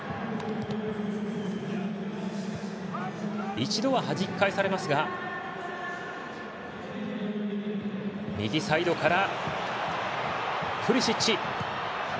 一度は、はじき返されますが右サイドからプリシッチ！